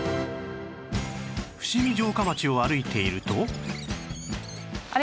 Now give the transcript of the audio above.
伏見城下町を歩いていると